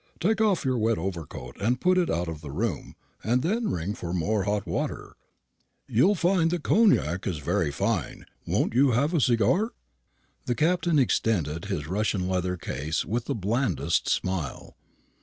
Take off your wet overcoat and put it out of the room, and then ring for more hot water. You'll find that cognac very fine. Won't you have a cigar?" The Captain extended his russia leather case with the blandest smile.